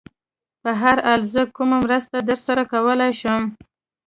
په هر حال، زه کومه مرسته در سره کولای شم؟